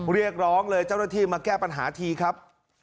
เรียกร้องเลยเจ้าหน้าที่มาแก้ปัญหาทีครับ